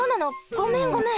ごめんごめん。